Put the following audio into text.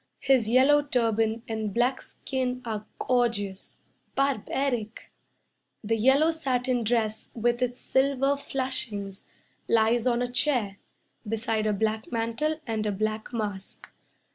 His yellow turban and black skin Are gorgeous barbaric. The yellow satin dress with its silver flashings Lies on a chair Beside a black mantle and a black mask.